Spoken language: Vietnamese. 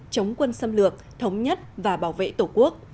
chống quân xâm lược thống nhất và bảo vệ tổ quốc